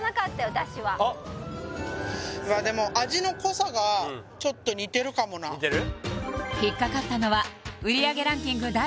出汁はでも味の濃さがちょっと似てるかもな似てる？